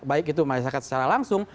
baik itu masyarakat secara langsung